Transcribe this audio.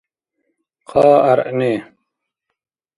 — Хъа гӏяргӏни.